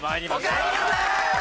おかえりなさい！